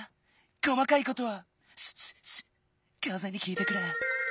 こまかいことはシュッシュッシュかぜにきいてくれ。